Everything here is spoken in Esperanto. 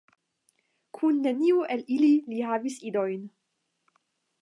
Kun neniu el ili li havis idojn.